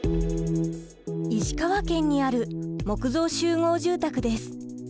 石川県にある木造集合住宅です。